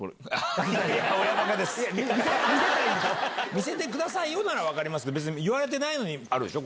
「見せてくださいよ」なら分かりますけど言われてないのにあるでしょ